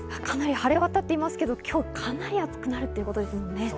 晴れ渡っていますけれども今日かなり暑くなるということですよね？